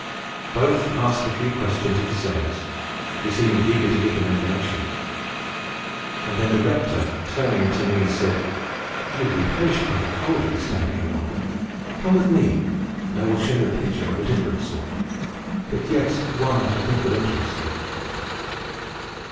Both asked a few questions of the sailors, who seemed eager to give them information; and then the rector, turning to me, said: "You will be perished by the cold if you stand here longer. Come with me, and I will show you a picture of a different sort, but yet one that I think will interest you."